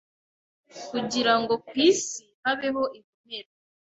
kugira ngo ku isi habeho ibimera,